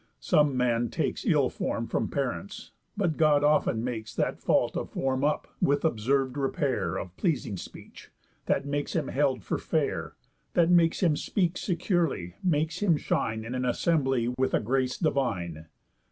Some man takes Ill form from parents, but God often makes That fault of form up with observ'd repair Of pleasing speech, that makes him held for fair, That makes him speak securely, makes him shine In an assembly with a grace divine.